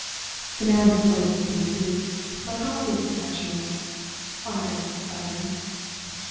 "The man's riddled with conceit, like all these professionals," Andreas decided.